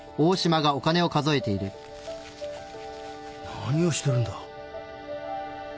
何をしてるんだ？